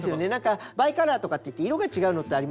バイカラーとかっていって色が違うのってありますよね。